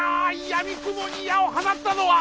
やみくもに矢を放ったのは！